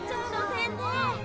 先生！